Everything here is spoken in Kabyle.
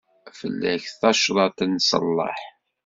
Fell-ak tacḍat n ṣṣellaḥ.